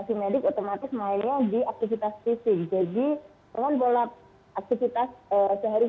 karena memang ada situasi studi kemarin